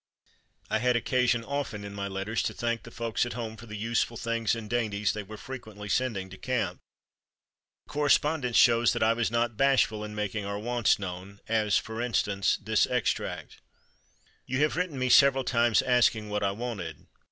I had occasion often in my letters to thank the folks at home for the useful things and dainties they were frequently sending to camp. The correspondence shows that I was not bashful in making our wants known, as, for instance, this extract: "You have written me several times asking what I wanted.